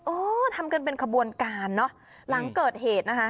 ทำกันเป็นขบวนการเนอะหลังเกิดเหตุนะคะ